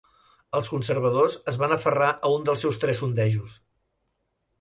Els Conservadors es van aferrar a un dels seus tres sondejos.